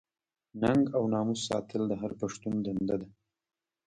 ننګ او ناموس ساتل د هر پښتون دنده ده.